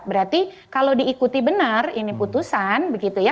berarti kalau diikuti benar ini putusan begitu ya